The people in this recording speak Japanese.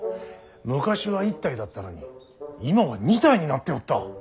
昔は１体だったのに今は２体になっておった。